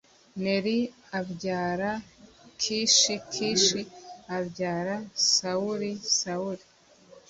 Neri abyara Kishi Kishi abyara Sawuli Sawuli